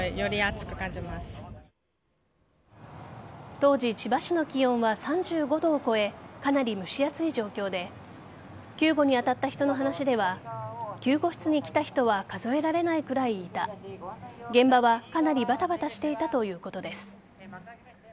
当時、千葉市の気温は３５度を超えかなり蒸し暑い状況で救護に当たった人の話では救護室に来た人は数えられないくらいいた現場はかなりバタバタしていたということです。